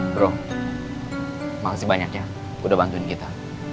bro maaf sih banyaknya udah bantuin kita